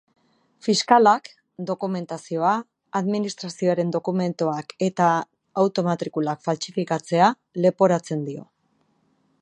Fiskalak dokumentazioa, administrazioaren dokumentuak eta auto-matrikulak faltsifikatzea leporatzen dio.